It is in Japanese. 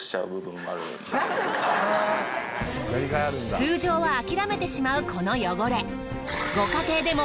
通常は諦めてしまうこの汚れ。